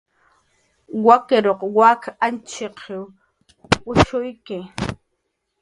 Wakiruq wak Añtxiq wishshuyki.